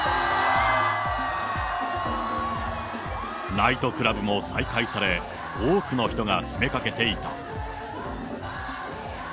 ナイトクラブも再開され、多くの人が詰めかけていた。